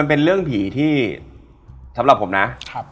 มันเป็นเรื่องผีที่ไม่ได้น่ากลัวขนาดนั้น